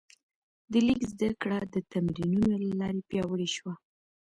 د لیک زده کړه د تمرینونو له لارې پیاوړې شوه.